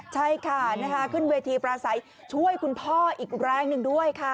ใช่ค่ะนะคะขึ้นเวลาปลาสายช่วยคุณท่ออีกรแรงหนึ่งด้วยค่ะ